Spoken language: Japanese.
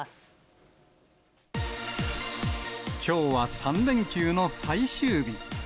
きょうは３連休の最終日。